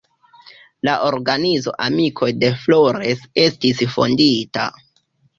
La organizo "amikoj de Flores" estis fondita.